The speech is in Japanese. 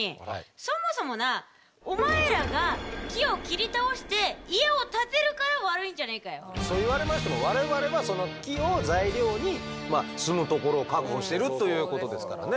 そもそもなお前らがそう言われましても我々はその木を材料に住むところを確保してるということですからね。